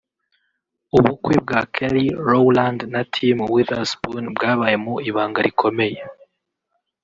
ubukwe bwa Kelly Rowland na Tim Witherspoon bwabaye mu ibanga rikomeye